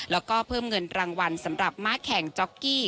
แล้วก็เพิ่มเงินรางวัลสำหรับม้าแข่งจ๊อกกี้